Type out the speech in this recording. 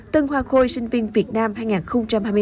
tân hoa khôi sinh viên việt nam ảnh hai mươi ba